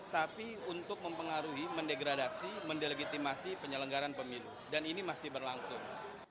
tapi untuk mempengaruhi mendegradasi mendelegitimasi penyelenggaran pemilu dan ini masih berlangsung